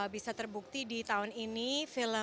bisa terbukti di tahun ini film